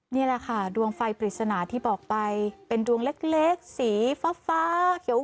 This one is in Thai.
นี่แหละค่ะดวงไฟปริศนาที่บอกไปเป็นดวงเล็กสีฟ้าเขียว